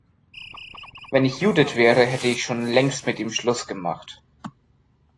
Wenn ich Judith wäre, hätte ich schon längst mit ihm Schluss gemacht.